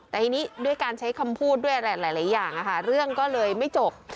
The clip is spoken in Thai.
แต่ทีนี้ด้วยการใช้คำพูดด้วยหลายอย่างเรื่องก็เลยไม่จบ